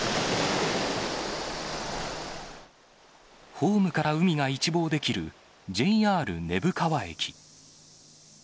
ホームから海が一望できるＪＲ根府川駅。